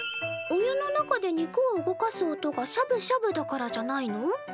お湯の中で肉を動かす音がしゃぶしゃぶだからじゃないの？